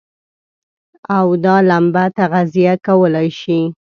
او دا لمبه تغذيه کولای شي.